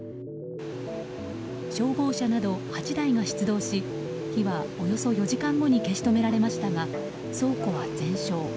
消防車など８台が出動し火はおよそ４時間後に消し止められましたが倉庫は全焼。